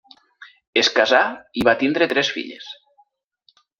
Es casà i va tindre tres filles.